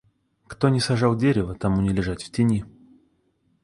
Кто не сажал дерева, тому не лежать в тени.